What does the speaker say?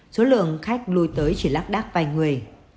số lượng khách lùi tới chỉ lắc đắc vài người